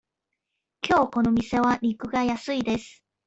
きょうこの店は肉が安いです。